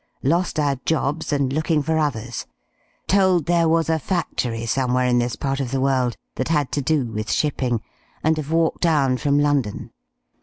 Lost our jobs, and looking for others. Told there was a factory somewhere in this part of the world that had to do with shipping, and have walked down from London.